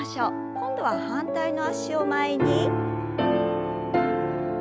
今度は反対の脚を前に。